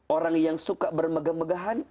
orang yang suka bermegah megahan